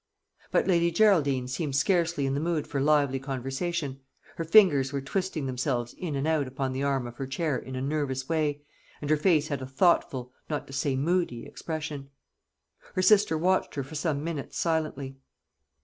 But Lady Geraldine seemed scarcely in the mood for lively conversation; her fingers were twisting themselves in and out upon the arm of her chair in a nervous way, and her face had a thoughtful, not to say moody, expression. Her sister watched her for some minutes silently.